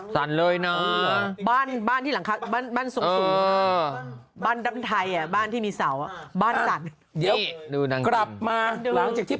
สันเลยนะบ้านในบ้านที่หลังบ้านข้างหลังบ้านได้อะไรมากรับมาเที่ยว